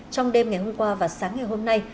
trong đêm ngày hôm qua và sáng ngày hôm nay